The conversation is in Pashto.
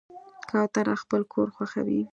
کوتره خپل کور خوښوي.